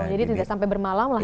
jadi tidak sampai bermalam lah